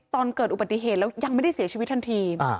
ตอนเกิดอุบัติเหตุแล้วยังไม่ได้เสียชีวิตทันที